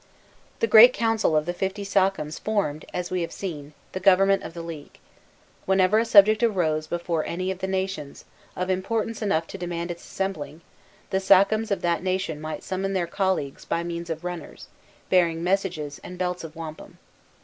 The great council of the fifty sachems formed, as we have seen, the government of the league. Whenever a subject arose before any of the nations, of importance enough to demand its assembling, the sachems of that nation might summon their colleagues by means of runners, bearing messages and belts of wampum.